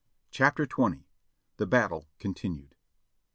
CHAPTER XX. THE BATTLE CONTINUED.